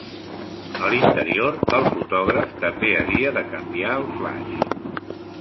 A l'interior, el fotògraf també havia de canviar el flaix.